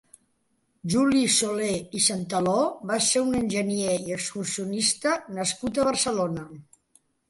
Juli Soler i Santaló va ser un enginyer i excursionista nascut a Barcelona.